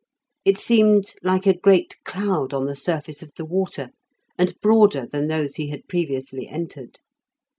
It seemed like a great cloud on the surface of the water, and broader than those he had previously entered.